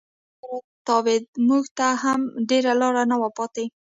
همدا فکر را تاوېده، موږ ته هم ډېره لاره نه وه پاتې.